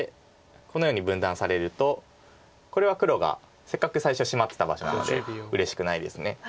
このように分断されるとこれは黒がせっかく最初シマってた場所なのでうれしくないです。